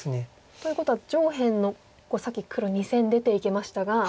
ということは上辺のさっき黒２線出ていけましたが。